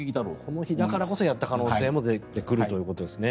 この日だからこそやった可能性も出てくるということですね。